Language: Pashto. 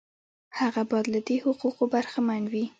هغه باید له دې حقوقو برخمن وي.